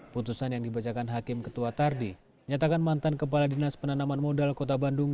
putusan yang dibacakan hakim ketua tardi menyatakan mantan kepala dinas penanaman modal kota bandung